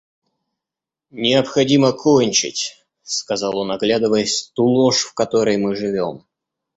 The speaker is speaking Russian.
Необходимо кончить, — сказал он оглядываясь, — ту ложь, в которой мы живем.